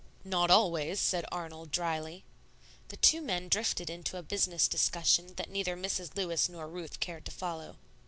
"Not always," said Arnold, dryly. The two men drifted into a business discussion that neither Mrs. Lewis nor Ruth cared to follow.